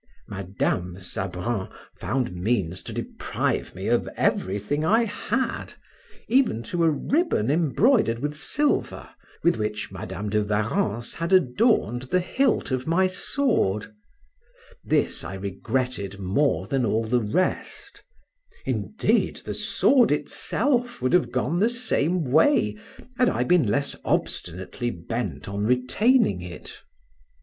Madam Sabran found means to deprive me of everything I had, even to a ribbon embroidered with silver, with which Madam de Warrens had adorned the hilt of my sword; this I regretted more than all the rest; indeed the sword itself would have gone the same way, had I been less obstinately bent on retaining it.